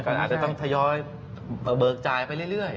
ก็อาจจะต้องทยอยเบิกจ่ายไปเรื่อย